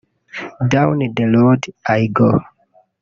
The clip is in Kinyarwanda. Down The Road I Go